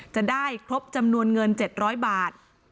จะได้ครบจำนวนเงิน๗๐๐บาท